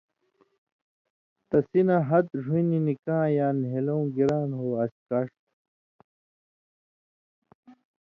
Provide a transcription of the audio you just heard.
تسی نہ ہتہۡ ڙھُویں نی نِکاں یا نھیلؤں گِران ہو اڅھکاݜ تھُو۔